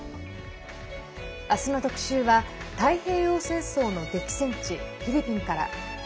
明日の特集は太平洋戦争の激戦地フィリピンから。